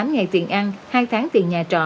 chín mươi tám ngày tiền ăn hai tháng tiền nhà trọ